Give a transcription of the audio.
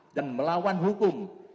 dan melawan hukumnya